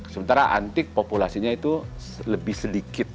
sementara antik populasinya itu lebih sedikit